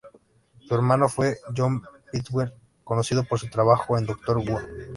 Su hermano fue Jon Pertwee, conocido por su trabajo en "Doctor Who".